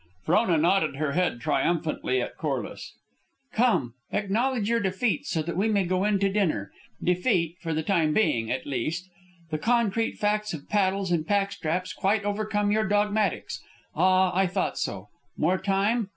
Frona nodded her head triumphantly at Corliss. "Come, acknowledge your defeat, so that we may go in to dinner. Defeat for the time being, at least. The concrete facts of paddles and pack straps quite overcome your dogmatics. Ah, I thought so. More time?